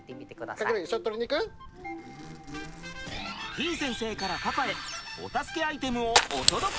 てぃ先生からパパへお助けアイテムをお届け！